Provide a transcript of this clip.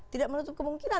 tidak menutup kemungkinan